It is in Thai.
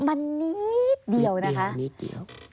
มันนิดเดียวนะคะนิดเดียว